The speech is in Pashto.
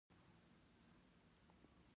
يودم يې ماشومه له ځمکې را پورته کړل.